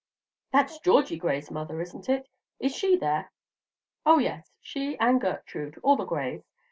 "That's Georgie Gray's mother, isn't it? Is she there?" "Oh, yes, she and Gertrude, all the Grays.